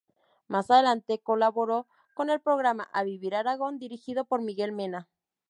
Más adelante colaboró con el programa "A vivir Aragón" dirigido por Miguel Mena.